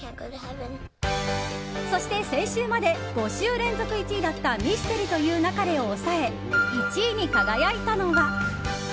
そして、先週まで５週連続１位だった「ミステリと言う勿れ」を抑え１位に輝いたのは。